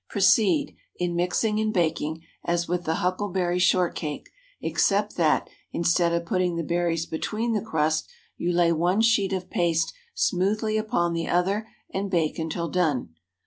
Proceed, in mixing and baking, as with the huckleberry short cake, except that, instead of putting the berries between the crust, you lay one sheet of paste smoothly upon the other, and bake until done.